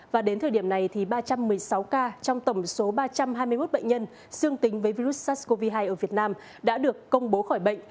và đến thời điểm này ba trăm một mươi sáu ca trong tổng số ba trăm hai mươi một bệnh nhân dương tính với virus sars cov hai ở việt nam đã được công bố khỏi bệnh